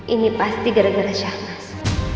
ini pasti gara gara syaklas